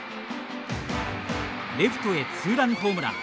レフトへツーランホームラン。